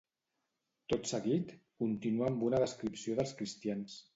Tot seguit, continua amb una descripció dels cristians.